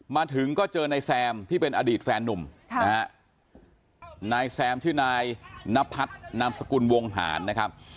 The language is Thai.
มาถึงก็เจอนายแซมที่เป็นอดีตแฟนนุ่มนะฮะนายแซมชื่อนายนพัฒนามสกุลวงหารนะครับ